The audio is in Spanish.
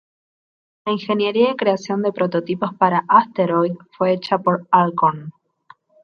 La ingeniería y creación de prototipos para "Asteroid" fue hecha por Alcorn.